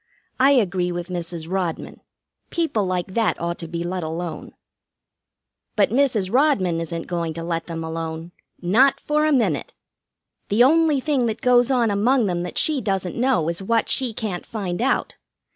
I agree with Mrs. Rodman. People like that ought to be let alone." "But Mrs. Rodman isn't going to let them alone. Not for a minute. The only thing that goes on among them that she doesn't know is what she can't find out.